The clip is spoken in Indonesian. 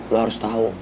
lo harus tahu